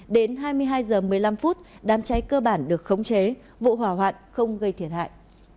đến hai mươi hai h một mươi năm đám cháy cơ bản được khống chế vụ hỏa hoạn không gây thiệt hại